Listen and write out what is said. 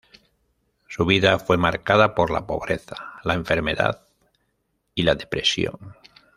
Su vida fue marcada por la pobreza, la enfermedad y la depresión.